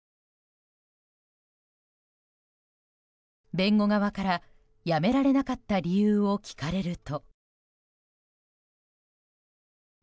弁護側から、やめられなかった理由を聞かれると。